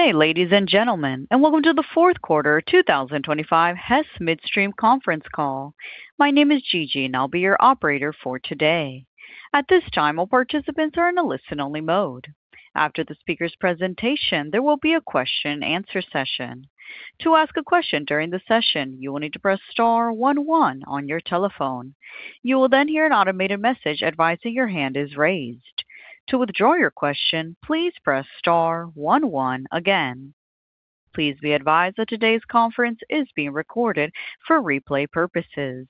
Today, ladies and gentlemen, and welcome to the Fourth Quarter of 2025 Hess Midstream Conference Call. My name is Gigi, and I'll be your operator for today. At this time, all participants are in a listen-only mode. After the speaker's presentation, there will be a question-and-answer session. To ask a question during the session, you will need to press star one one on your telephone. You will then hear an automated message advising your hand is raised. To withdraw your question, please press star one one again. Please be advised that today's conference is being recorded for replay purposes.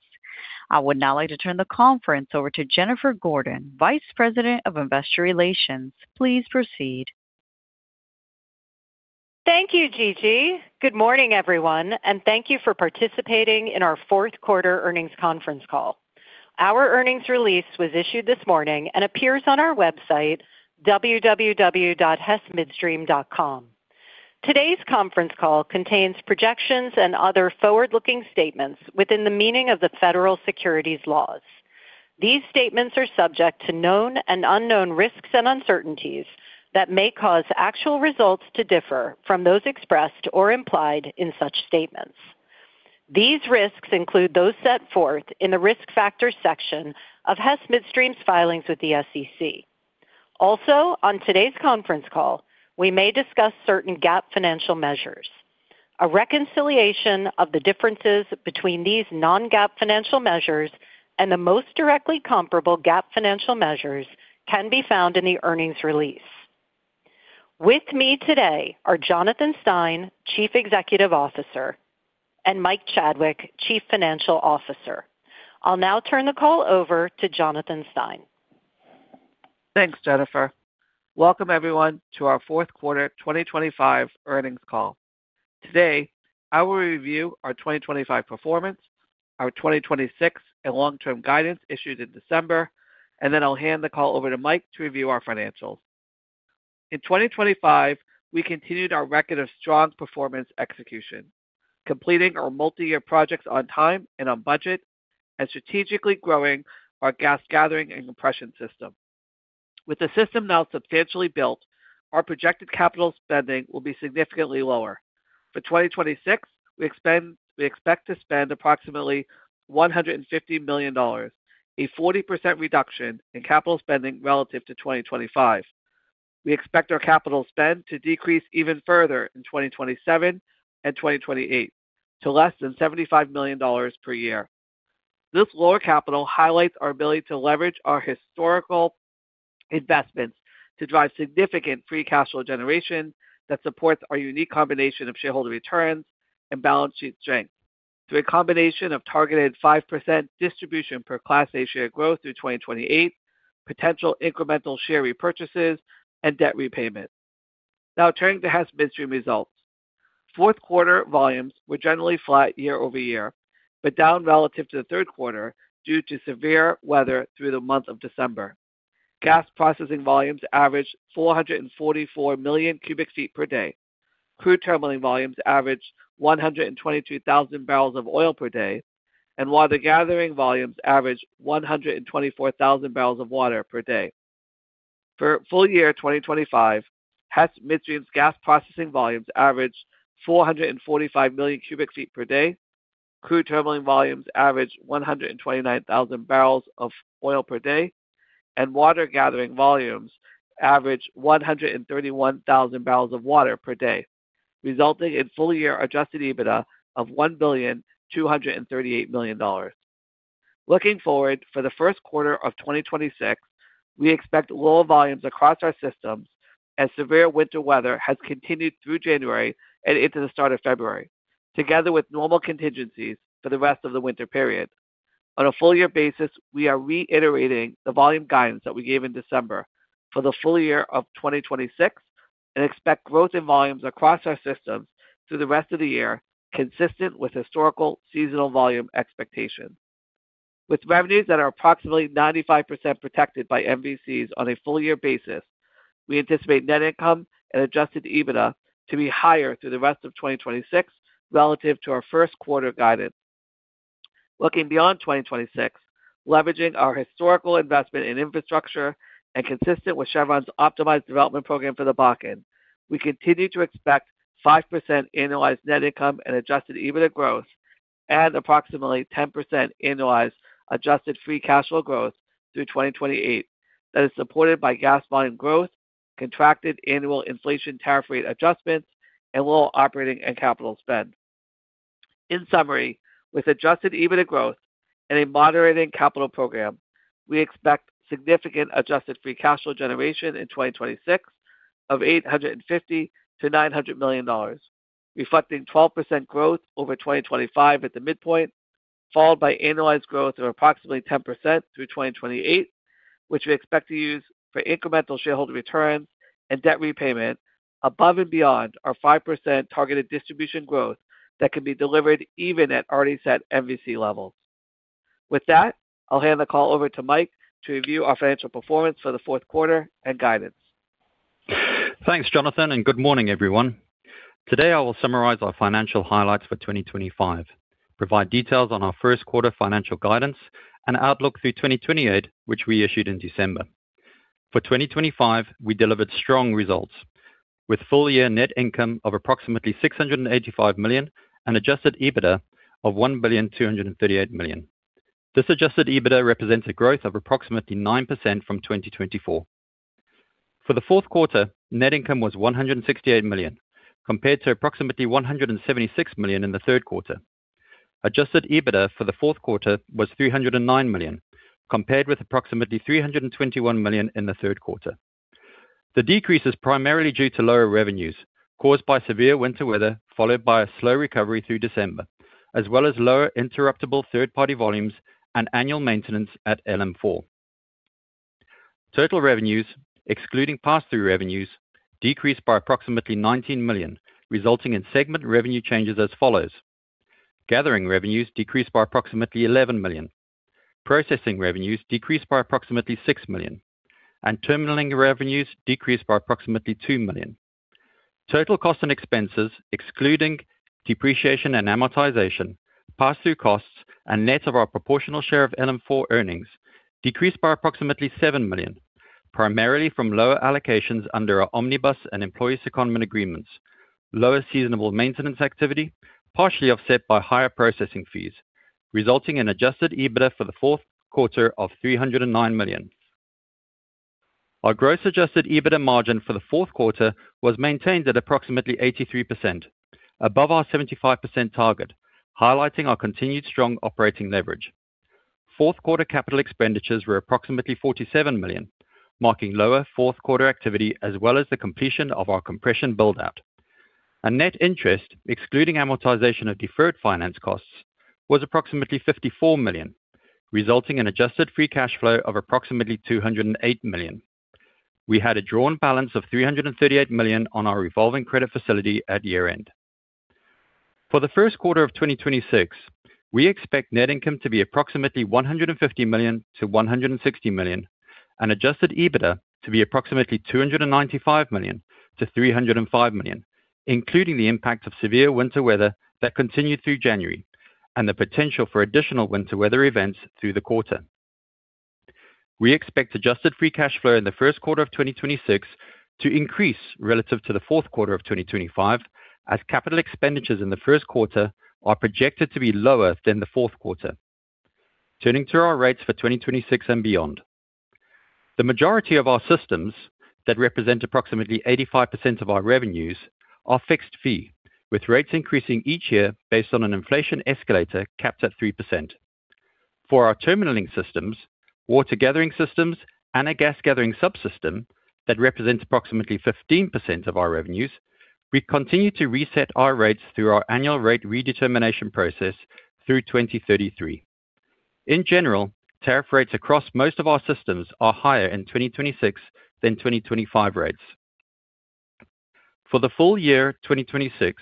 I would now like to turn the conference over to Jennifer Gordon, Vice President of Investor Relations. Please proceed. Thank you, Gigi. Good morning, everyone, and thank you for participating in our fourth quarter earnings conference call. Our earnings release was issued this morning and appears on our website, www.hessmidstream.com. Today's conference call contains projections and other forward-looking statements within the meaning of the federal securities laws. These statements are subject to known and unknown risks and uncertainties that may cause actual results to differ from those expressed or implied in such statements. These risks include those set forth in the risk factors section of Hess Midstream's filings with the SEC. Also, on today's conference call, we may discuss certain GAAP financial measures. A reconciliation of the differences between these non-GAAP financial measures and the most directly comparable GAAP financial measures can be found in the earnings release. With me today are Jonathan Stein, Chief Executive Officer, and Mike Chadwick, Chief Financial Officer. I'll now turn the call over to Jonathan Stein. Thanks, Jennifer. Welcome, everyone, to our fourth quarter 2025 earnings call. Today, I will review our 2025 performance, our 2026 and long-term guidance issued in December, and then I'll hand the call over to Mike to review our financials. In 2025, we continued our record of strong performance execution, completing our multi-year projects on time and on budget, and strategically growing our gas gathering and compression system. With the system now substantially built, our projected capital spending will be significantly lower. For 2026, we expect to spend approximately $150 million, a 40% reduction in capital spending relative to 2025. We expect our capital spend to decrease even further in 2027 and 2028 to less than $75 million per year. This lower capital highlights our ability to leverage our historical investments to drive significant free cash flow generation that supports our unique combination of shareholder returns and balance sheet strength through a combination of targeted 5% distribution per Class A share growth through 2028, potential incremental share repurchases, and debt repayment. Now, turning to Hess Midstream results. Fourth quarter volumes were generally flat year-over-year, but down relative to the third quarter due to severe weather through the month of December. Gas processing volumes averaged 444 million cu ft per day, crude terminaling volumes averaged 122,000 bbl of oil per day, and water gathering volumes averaged 124,000 bbl of water per day. For full year 2025, Hess Midstream's gas processing volumes averaged 445 million cu ft per day, crude terminaling volumes averaged 129,000 bbl of oil per day, and water gathering volumes averaged 131,000 bbl of water per day, resulting in full year Adjusted EBITDA of $1,238 million. Looking forward for the first quarter of 2026, we expect lower volumes across our systems as severe winter weather has continued through January and into the start of February, together with normal contingencies for the rest of the winter period. On a full-year basis, we are reiterating the volume guidance that we gave in December for the full year of 2026 and expect growth in volumes across our systems through the rest of the year consistent with historical seasonal volume expectations. With revenues that are approximately 95% protected by MVCs on a full-year basis, we anticipate net income and Adjusted EBITDA to be higher through the rest of 2026 relative to our first quarter guidance. Looking beyond 2026, leveraging our historical investment in infrastructure and consistent with Chevron's optimized development program for the Bakken, we continue to expect 5% annualized net income and Adjusted EBITDA growth and approximately 10% annualized adjusted free cash flow growth through 2028 that is supported by gas volume growth, contracted annual inflation tariff rate adjustments, and lower operating and capital spend. In summary, with Adjusted EBITDA growth and a moderating capital program, we expect significant adjusted free cash flow generation in 2026 of $850 million-$900 million, reflecting 12% growth over 2025 at the midpoint, followed by annualized growth of approximately 10% through 2028, which we expect to use for incremental shareholder returns and debt repayment above and beyond our 5% targeted distribution growth that can be delivered even at already set MVC levels. With that, I'll hand the call over to Mike to review our financial performance for the fourth quarter and guidance. Thanks, Jonathan, and good morning, everyone. Today, I will summarize our financial highlights for 2025, provide details on our first quarter financial guidance, and outlook through 2028, which we issued in December. For 2025, we delivered strong results with full-year net income of approximately $685 million and Adjusted EBITDA of $1,238 million. This Adjusted EBITDA represents a growth of approximately 9% from 2024. For the fourth quarter, net income was $168 million compared to approximately $176 million in the third quarter. Adjusted EBITDA for the fourth quarter was $309 million compared with approximately $321 million in the third quarter. The decrease is primarily due to lower revenues caused by severe winter weather followed by a slow recovery through December, as well as lower interruptible third-party volumes and annual maintenance at LM4. Total revenues, excluding pass-through revenues, decreased by approximately $19 million, resulting in segment revenue changes as follows. Gathering revenues decreased by approximately $11 million. Processing revenues decreased by approximately $6 million. Terminaling revenues decreased by approximately $2 million. Total cost and expenses, excluding depreciation and amortization, pass-through costs, and net of our proportional share of LM4 earnings, decreased by approximately $7 million, primarily from lower allocations under our omnibus and employee secondment agreements, lower seasonal maintenance activity, partially offset by higher processing fees, resulting in Adjusted EBITDA for the fourth quarter of $309 million. Our gross Adjusted EBITDA margin for the fourth quarter was maintained at approximately 83%, above our 75% target, highlighting our continued strong operating leverage. Fourth quarter capital expenditures were approximately $47 million, marking lower fourth quarter activity as well as the completion of our compression buildout. Net interest, excluding amortization of deferred finance costs, was approximately $54 million, resulting in adjusted free cash flow of approximately $208 million. We had a drawn balance of $338 million on our revolving credit facility at year-end. For the first quarter of 2026, we expect net income to be approximately $150 million-$160 million, and Adjusted EBITDA to be approximately $295 million-$305 million, including the impact of severe winter weather that continued through January and the potential for additional winter weather events through the quarter. We expect adjusted free cash flow in the first quarter of 2026 to increase relative to the fourth quarter of 2025 as capital expenditures in the first quarter are projected to be lower than the fourth quarter. Turning to our rates for 2026 and beyond. The majority of our systems that represent approximately 85% of our revenues are fixed fee, with rates increasing each year based on an inflation escalator capped at 3%. For our terminaling systems, water gathering systems, and a gas gathering subsystem that represents approximately 15% of our revenues, we continue to reset our rates through our annual rate redetermination process through 2033. In general, tariff rates across most of our systems are higher in 2026 than 2025 rates. For the full year 2026,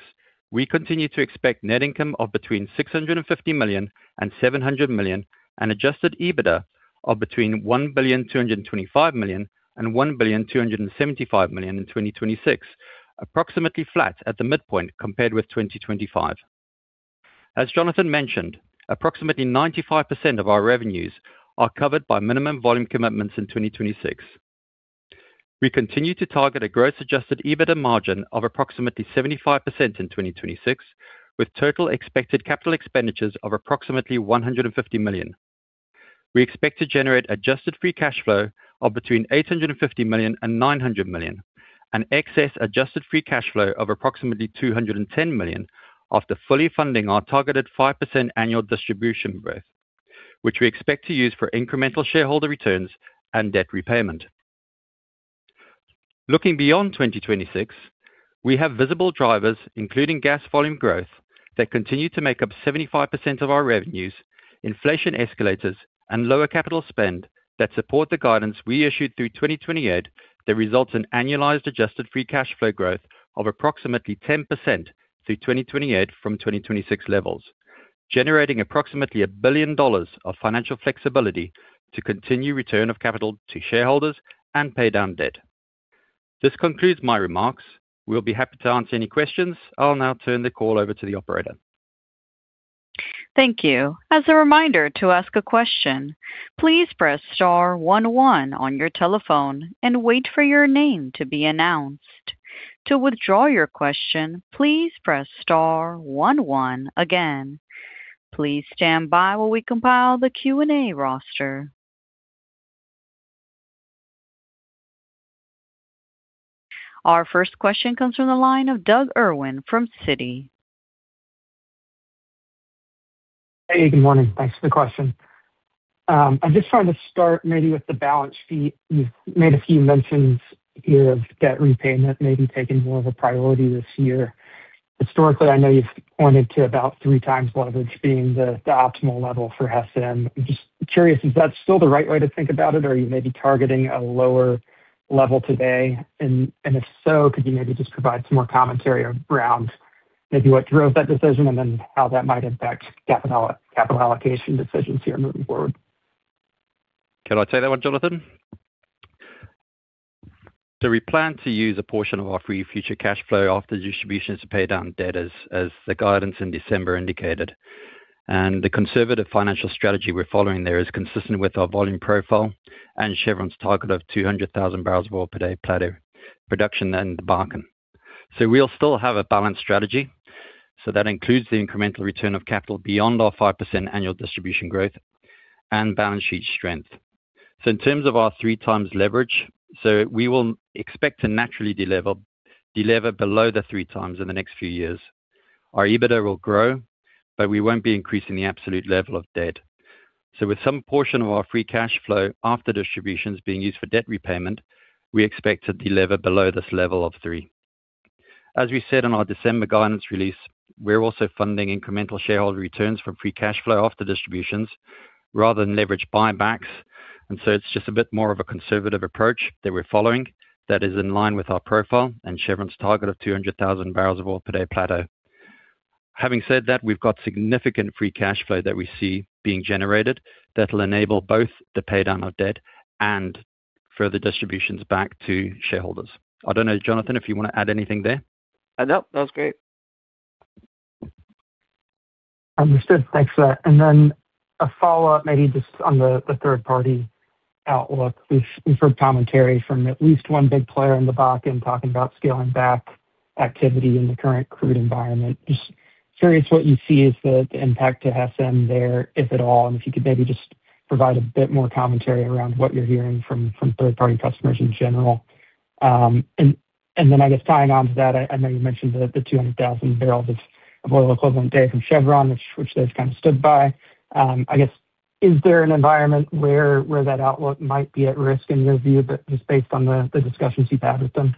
we continue to expect net income of between $650 million and $700 million and Adjusted EBITDA of between $1,225 million and $1,275 million in 2026, approximately flat at the midpoint compared with 2025. As Jonathan mentioned, approximately 95% of our revenues are covered by minimum volume commitments in 2026. We continue to target a gross Adjusted EBITDA margin of approximately 75% in 2026, with total expected capital expenditures of approximately $150 million. We expect to generate adjusted free cash flow of between $850 million and $900 million and excess adjusted free cash flow of approximately $210 million after fully funding our targeted 5% annual distribution growth, which we expect to use for incremental shareholder returns and debt repayment. Looking beyond 2026, we have visible drivers, including gas volume growth, that continue to make up 75% of our revenues, inflation escalators, and lower capital spend that support the guidance we issued through 2028 that results in annualized adjusted free cash flow growth of approximately 10% through 2028 from 2026 levels, generating approximately $1 billion of financial flexibility to continue return of capital to shareholders and pay down debt. This concludes my remarks. We'll be happy to answer any questions. I'll now turn the call over to the operator. Thank you. As a reminder to ask a question, please press star one one on your telephone and wait for your name to be announced. To withdraw your question, please press star one one again. Please stand by while we compile the Q&A roster. Our first question comes from the line of Doug Irwin from Citi. Hey, good morning. Thanks for the question. I'm just trying to start maybe with the balance sheet. You've made a few mentions here of debt repayment maybe taking more of a priority this year. Historically, I know you've pointed to about 3x leverage being the optimal level for Hess. I'm just curious, is that still the right way to think about it, or are you maybe targeting a lower level today? And if so, could you maybe just provide some more commentary around maybe what drove that decision and then how that might affect capital allocation decisions here moving forward? Can I say that one, Jonathan? So we plan to use a portion of our free cash flow after distributions to pay down debt, as the guidance in December indicated. And the conservative financial strategy we're following there is consistent with our volume profile and Chevron's target of 200,000 bbl of oil per day plateau production in the Bakken. So we'll still have a balanced strategy. So that includes the incremental return of capital beyond our 5% annual distribution growth and balance sheet strength. So in terms of our 3x leverage, we will expect to naturally deliver below 3x in the next few years. Our EBITDA will grow, but we won't be increasing the absolute level of debt. So with some portion of our free cash flow after distributions being used for debt repayment, we expect to deliver below this level of 3. As we said in our December guidance release, we're also funding incremental shareholder returns from free cash flow after distributions rather than leveraged buybacks. And so it's just a bit more of a conservative approach that we're following that is in line with our profile and Chevron's target of 200,000 bbl of oil per day plateau. Having said that, we've got significant free cash flow that we see being generated that'll enable both the paydown of debt and further distributions back to shareholders. I don't know, Jonathan, if you want to add anything there. Nope, that was great. Understood. Thanks for that. And then a follow-up maybe just on the third-party outlook. We've heard commentary from at least one big player in the Bakken talking about scaling back activity in the current crude environment. Just curious what you see as the impact to Hess there, if at all, and if you could maybe just provide a bit more commentary around what you're hearing from third-party customers in general. And then, I guess, tying on to that, I know you mentioned the 200,000 bbl of oil equivalent per day from Chevron, which they've kind of stood by. I guess, is there an environment where that outlook might be at risk in your view, just based on the discussions you've had with them?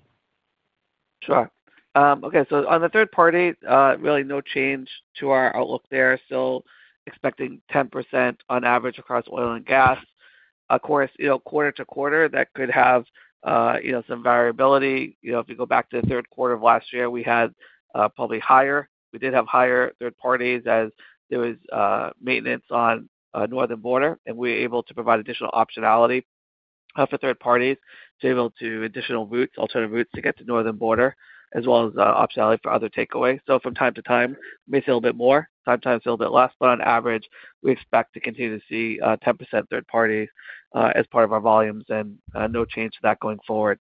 Sure. Okay. So on the third party, really no change to our outlook there. Still expecting 10% on average across oil and gas. Of course, quarter-to-quarter, that could have some variability. If you go back to the third quarter of last year, we had probably higher. We did have higher third parties as there was maintenance on Northern Border, and we were able to provide additional optionality for third parties to be able to additional routes, alternative routes to get to Northern Border, as well as optionality for other takeaways. So from time to time, maybe a little bit more, sometimes a little bit less. But on average, we expect to continue to see 10% third parties as part of our volumes and no change to that going forward.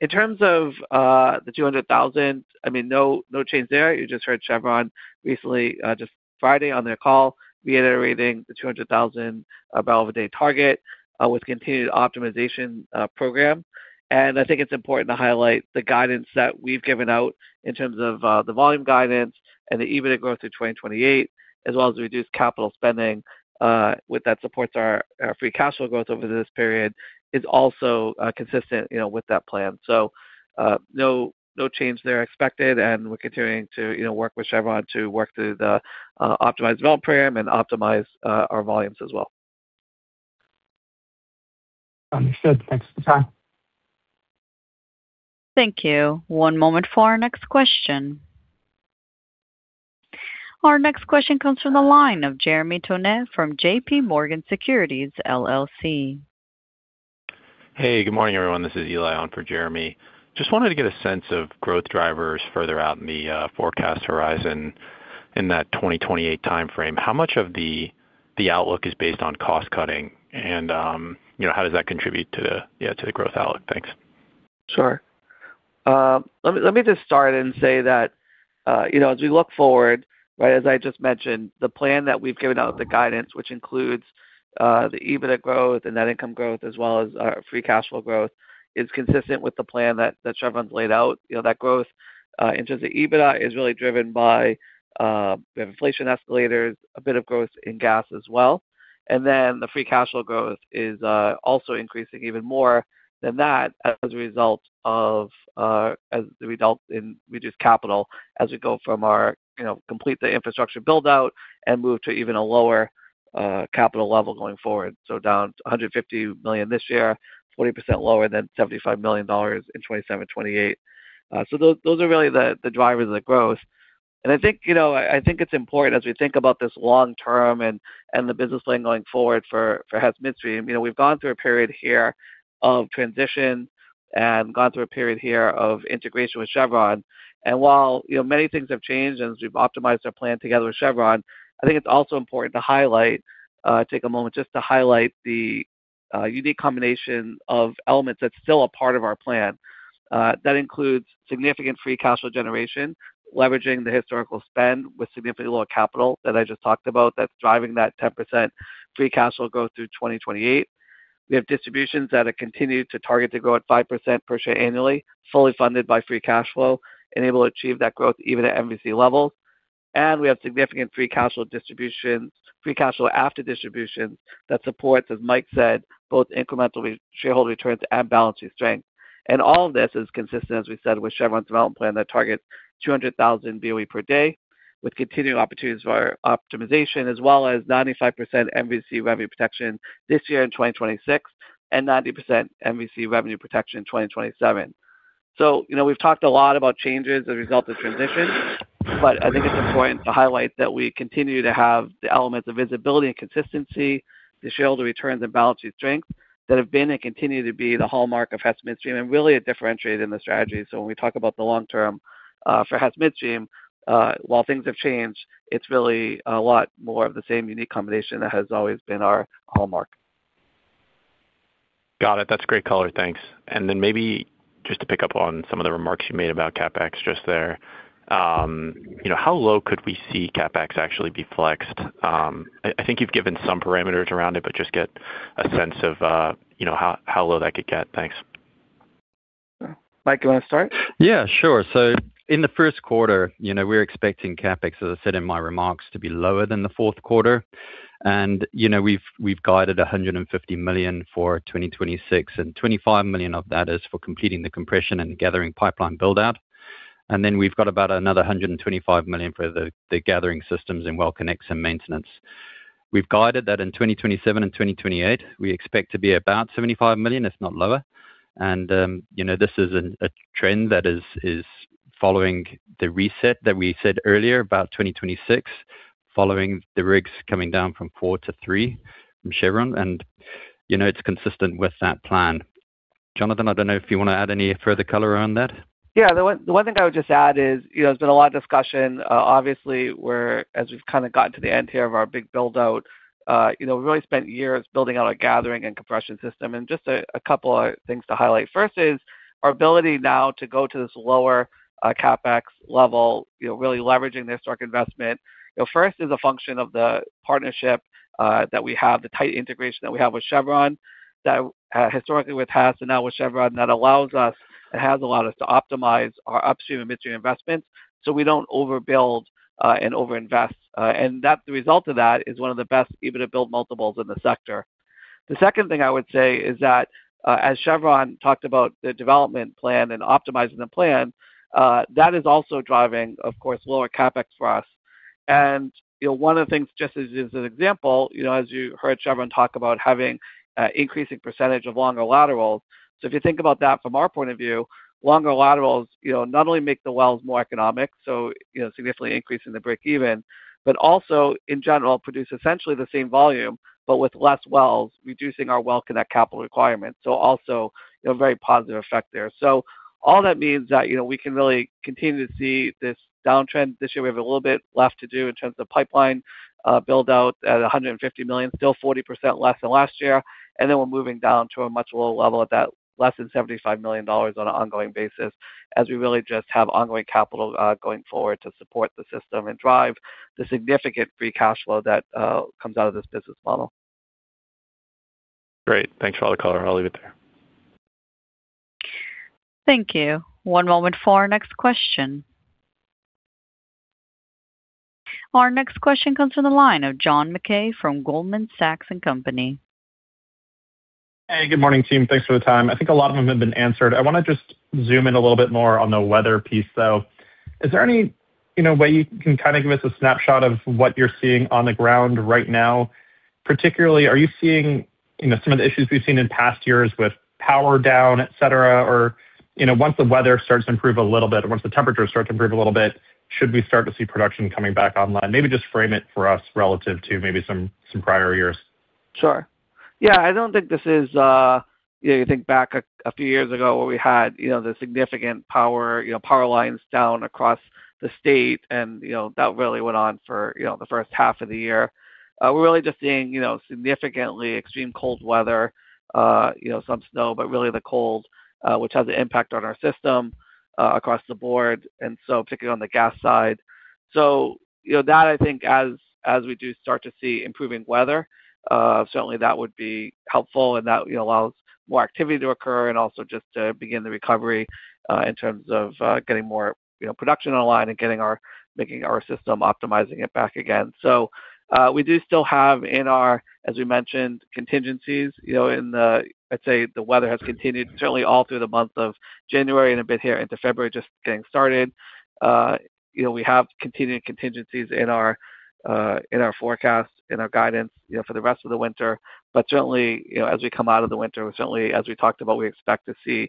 In terms of the 200,000, I mean, no change there. You just heard Chevron recently, just Friday on their call, reiterating the 200,000 bbl a day target with continued optimization program. I think it's important to highlight the guidance that we've given out in terms of the volume guidance and the EBITDA growth through 2028, as well as reduced capital spending that supports our free cash flow growth over this period is also consistent with that plan. No change there expected, and we're continuing to work with Chevron to work through the optimized development program and optimize our volumes as well. Understood. Thanks for the time. Thank you. One moment for our next question. Our next question comes from the line of Jeremy Tonet from J.P. Morgan Securities LLC. Hey, good morning, everyone. This is Eli on for Jeremy. Just wanted to get a sense of growth drivers further out in the forecast horizon in that 2028 timeframe. How much of the outlook is based on cost-cutting, and how does that contribute to the growth outlook? Thanks. Sure. Let me just start and say that as we look forward, as I just mentioned, the plan that we've given out, the guidance, which includes the EBITDA growth and net income growth as well as our free cash flow growth, is consistent with the plan that Chevron's laid out. That growth in terms of EBITDA is really driven by we have inflation escalators, a bit of growth in gas as well. And then the free cash flow growth is also increasing even more than that as a result of the result in reduced capital as we go from our complete the infrastructure buildout and move to even a lower capital level going forward. So down to $150 million this year, 40% lower than $75 million in 2028. So those are really the drivers of the growth. And I think it's important as we think about this long-term and the business plan going forward for Hess Midstream, we've gone through a period here of transition and gone through a period here of integration with Chevron. And while many things have changed and we've optimized our plan together with Chevron, I think it's also important to highlight, take a moment just to highlight the unique combination of elements that's still a part of our plan. That includes significant free cash flow generation, leveraging the historical spend with significantly lower capital that I just talked about that's driving that 10% free cash flow growth through 2028. We have distributions that have continued to target to grow at 5% per share annually, fully funded by free cash flow, enable to achieve that growth even at MVC levels. And we have significant free cash flow after distributions that supports, as Mike said, both incremental shareholder returns and balance sheet strength. And all of this is consistent, as we said, with Chevron's development plan that targets 200,000 BOE per day with continued opportunities for optimization, as well as 95% MVC revenue protection this year in 2026 and 90% MVC revenue protection in 2027. So we've talked a lot about changes as a result of transition, but I think it's important to highlight that we continue to have the elements of visibility and consistency, the shareholder returns and balance sheet strength that have been and continue to be the hallmark of Hess Midstream and really a differentiator in the strategy. So when we talk about the long-term for Hess Midstream, while things have changed, it's really a lot more of the same unique combination that has always been our hallmark. Got it. That's great color. Thanks. And then maybe just to pick up on some of the remarks you made about CapEx just there, how low could we see CapEx actually be flexed? I think you've given some parameters around it, but just get a sense of how low that could get. Thanks. Mike, you want to start? Yeah, sure. So in the first quarter, we're expecting CapEx, as I said in my remarks, to be lower than the fourth quarter. We've guided $150 million for 2026, and $25 million of that is for completing the compression and gathering pipeline buildout. Then we've got about another $125 million for the gathering systems in well connects and maintenance. We've guided that in 2027 and 2028, we expect to be about $75 million, if not lower. This is a trend that is following the reset that we said earlier about 2026, following the rigs coming down from 4 to 3 from Chevron. It's consistent with that plan. Jonathan, I don't know if you want to add any further color around that. Yeah. The one thing I would just add is there's been a lot of discussion. Obviously, as we've kind of gotten to the end here of our big buildout, we've really spent years building out our gathering and compression system. And just a couple of things to highlight. First is our ability now to go to this lower CapEx level, really leveraging their stock investment. First is a function of the partnership that we have, the tight integration that we have with Chevron, historically with Hess and now with Chevron, that allows us, that has allowed us to optimize our upstream and midstream investments so we don't overbuild and overinvest. And the result of that is one of the best EBITDA build multiples in the sector. The second thing I would say is that as Chevron talked about the development plan and optimizing the plan, that is also driving, of course, lower CapEx for us. One of the things, just as an example, as you heard Chevron talk about having an increasing percentage of longer laterals. If you think about that from our point of view, longer laterals not only make the wells more economic, so significantly increasing the break-even, but also in general produce essentially the same volume, but with less wells, reducing our well connect capital requirements. Also a very positive effect there. All that means that we can really continue to see this downtrend. This year, we have a little bit left to do in terms of pipeline buildout at $150 million, still 40% less than last year. And then we're moving down to a much lower level at that, less than $75 million on an ongoing basis as we really just have ongoing capital going forward to support the system and drive the significant free cash flow that comes out of this business model. Great. Thanks for all the color. I'll leave it there. Thank you. One moment for our next question. Our next question comes from the line of John Mackay from Goldman Sachs and Company. Hey, good morning, team. Thanks for the time. I think a lot of them have been answered. I want to just zoom in a little bit more on the weather piece, though. Is there any way you can kind of give us a snapshot of what you're seeing on the ground right now? Particularly, are you seeing some of the issues we've seen in past years with power down, etc., or once the weather starts to improve a little bit, once the temperatures start to improve a little bit, should we start to see production coming back online? Maybe just frame it for us relative to maybe some prior years. Sure. Yeah. I don't think this is you think back a few years ago where we had the significant power lines down across the state, and that really went on for the first half of the year. We're really just seeing significantly extreme cold weather, some snow, but really the cold, which has an impact on our system across the board, and so particularly on the gas side. So that, I think, as we do start to see improving weather, certainly that would be helpful, and that allows more activity to occur and also just to begin the recovery in terms of getting more production online and making our system optimizing it back again. So we do still have in our, as we mentioned, contingencies in the, I'd say the weather has continued, certainly all through the month of January and a bit here into February, just getting started. We have continued contingencies in our forecast, in our guidance for the rest of the winter. But certainly, as we come out of the winter, certainly, as we talked about, we expect to see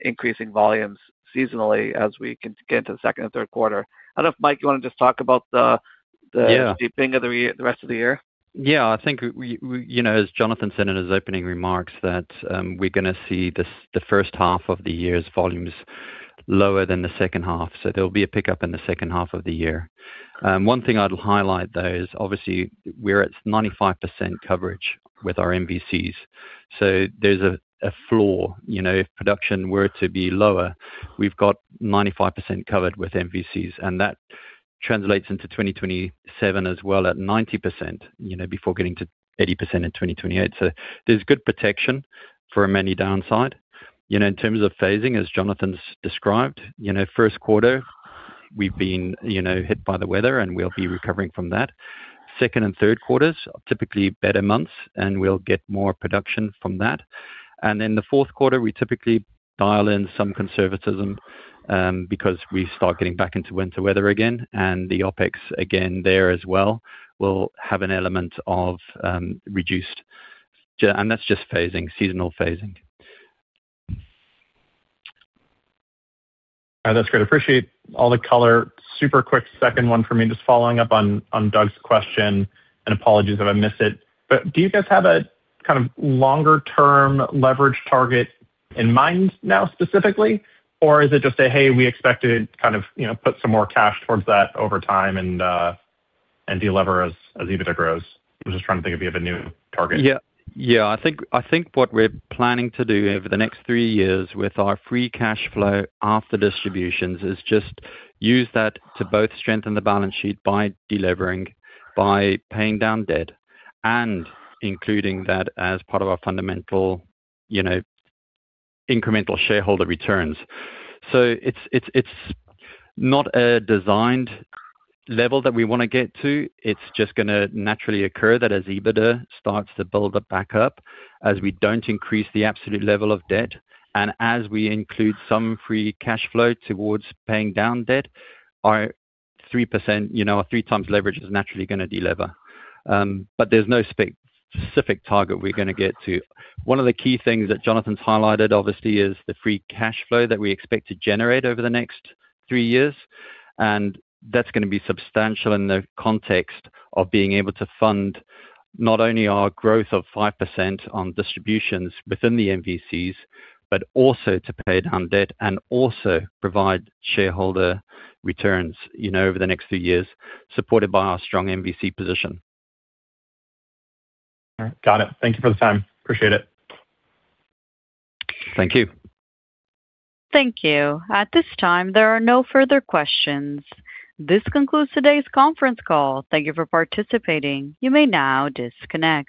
increasing volumes seasonally as we get into the second and third quarter. I don't know if, Mike, you want to just talk about the deepening of the rest of the year? Yeah. I think, as Jonathan said in his opening remarks, that we're going to see the first half of the year's volumes lower than the second half. So there'll be a pickup in the second half of the year. One thing I'd highlight, though, is obviously, we're at 95% coverage with our MVCs. So there's a floor. If production were to be lower, we've got 95% covered with MVCs. And that translates into 2027 as well at 90% before getting to 80% in 2028. So there's good protection for any downside. In terms of phasing, as Jonathan's described, first quarter, we've been hit by the weather, and we'll be recovering from that. Second and third quarters, typically better months, and we'll get more production from that. And then the fourth quarter, we typically dial in some conservatism because we start getting back into winter weather again. The OpEx, again, there as well, will have an element of reduced. That's just phasing, seasonal phasing. That's great. Appreciate all the color. Super quick second one for me, just following up on Doug's question and apologies if I miss it. But do you guys have a kind of longer-term leverage target in mind now specifically, or is it just a, "Hey, we expect to kind of put some more cash towards that over time and delever as EBITDA grows"? I'm just trying to think if you have a new target. Yeah. Yeah. I think what we're planning to do over the next three years with our free cash flow after distributions is just use that to both strengthen the balance sheet by delevering, by paying down debt, and including that as part of our fundamental incremental shareholder returns. So it's not a designed level that we want to get to. It's just going to naturally occur that as EBITDA starts to build up backup, as we don't increase the absolute level of debt, and as we include some free cash flow towards paying down debt, our 3%, our 3x leverage is naturally going to delever. But there's no specific target we're going to get to. One of the key things that Jonathan's highlighted, obviously, is the free cash flow that we expect to generate over the next three years. That's going to be substantial in the context of being able to fund not only our growth of 5% on distributions within the MVCs, but also to pay down debt and also provide shareholder returns over the next three years, supported by our strong MVC position. Got it. Thank you for the time. Appreciate it. Thank you. Thank you. At this time, there are no further questions. This concludes today's conference call. Thank you for participating. You may now disconnect.